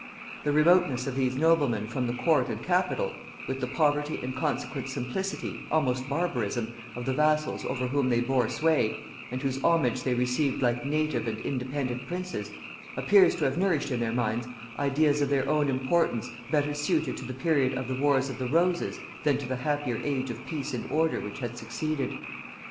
The remoteness of these noblemen from the court and capital, with the poverty and consequent simplicity, almost barbarism, of the vassals over whom they bore sway, and whose homage they received like native and independent princes, appears to have nourished in their minds ideas of their own importance better suited to the period of the wars of the Roses than to the happier age of peace and order which had succeeded.